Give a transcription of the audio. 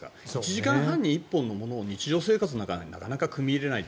１時間半に１本のものを日常生活の中になかなか組み入れられない。